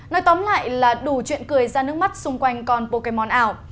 nói tóm lại là đủ chuyện cười ra nước mắt xung quanh con pokemon ảo